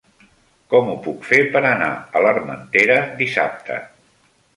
Com ho puc fer per anar a l'Armentera dissabte?